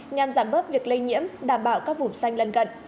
nhằm giảm bớt việc lây nhiễm đảm bảo các vụn xanh lần gận